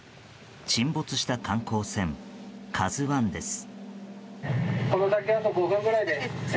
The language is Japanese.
沈没した観光船「ＫＡＺＵ１」です。